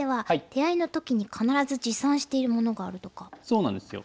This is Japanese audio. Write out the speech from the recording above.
そうなんですよ。